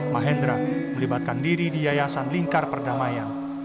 mahendra melibatkan diri di yayasan lingkar perdamaian